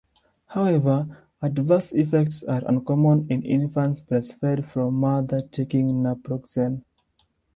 However, adverse effects are uncommon in infants breastfed from mother taking naproxen.